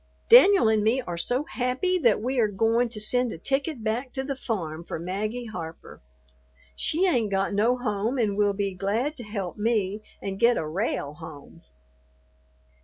Danyul and me are so happy that we are goin' to send a ticket back to the farm for Maggie Harper. She ain't got no home and will be glad to help me and get a rale home."